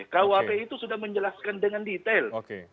kuap itu sudah menjelaskan dengan detail